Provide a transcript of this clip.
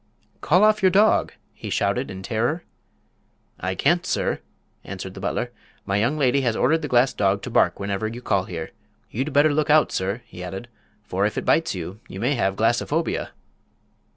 "Call off your dog," he shouted, in terror. "I can't, sir," answered the butler. "My young lady has ordered the glass dog to bark whenever you call here. You'd better look out, sir," he added, "for if it bites you, you may have glassophobia!"